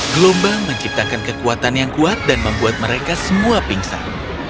gelombang menciptakan kekuatan yang kuat dan membuat mereka semua pingsan